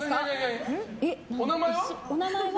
お名前は？